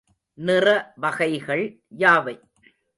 நிற வகைகள் யாவை?